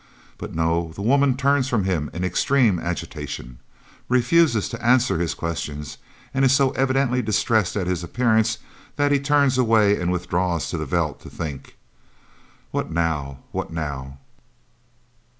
But no, the woman turns from him in extreme agitation, refuses to answer his questions, and is so evidently distressed at his appearance that he turns away and withdraws to the veld to think. What now? What now?